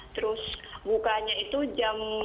terus bukanya itu jam delapan dua puluh